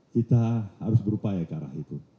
kita harus berupaya ke arah itu